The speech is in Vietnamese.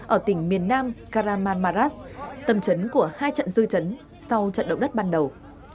ở tỉnh miền nam karaman maras tầm trấn của hai trận dư trấn sau trận động đất ban đầu